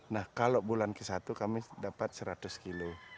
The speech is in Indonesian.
nah kalau bulan ke satu kami dapat seratus kilo